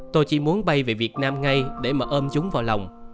tôi chỉ muốn bay về việt nam ngay để mà ôm chúng vào lòng